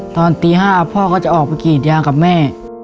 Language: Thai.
ตอนตี๕พ่อก็จะออกไปกรีดยางกับแม่